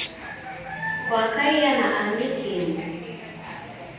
Kwakaia na ani kenyu?